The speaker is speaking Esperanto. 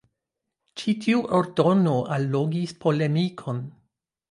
Ĉi tiu ordono allogis polemikon.